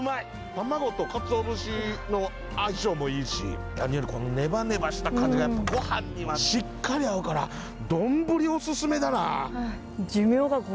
卵とかつお節の相性もいいし何よりこのネバネバした感じがごはんにはしっかり合うから丼おすすめだな。